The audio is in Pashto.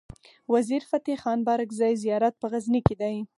وزیر فتح خان بارګزی زيارت په غزنی کی دی